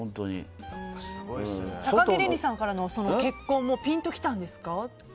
高城れにさんからの結婚もピンときたんですか？